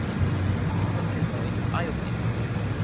Narodil se v Des Moines v Iowě.